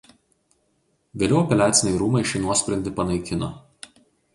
Vėliau Apeliaciniai rūmai šį nuosprendį panaikino.